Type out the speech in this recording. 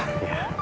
hah satu dua juta